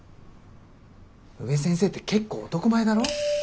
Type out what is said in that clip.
宇部先生って結構男前だろ。